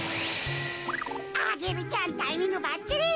アゲルちゃんタイミングばっちり。